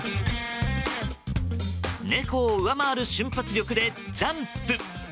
猫を上回る瞬発力でジャンプ。